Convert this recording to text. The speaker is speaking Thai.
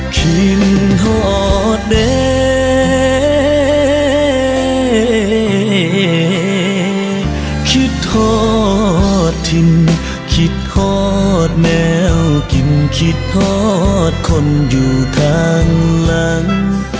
คิดหอดทิ้งคิดหอดแมวกินคิดหอดคนอยู่ทางหลัง